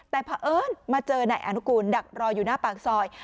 แต่เพราะเอิญมาเจอนายอนุกูลดักรออยู่หน้าปากซอย